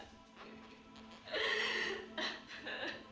mak enggak boleh